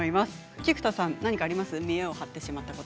菊田さんありますか？